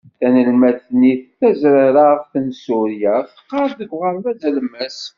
Tanelmadt-nni tazrazaɣt n Surya, teqqar deg uɣerbaz alemmas.